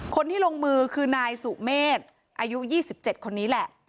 คนที่ลงมือคือนายสุเมษอายุ๒๗คนนี้แหละ